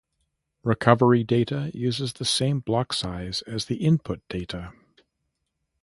Recovery data uses the same block size as the input data.